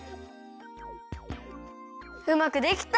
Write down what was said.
うまくできた！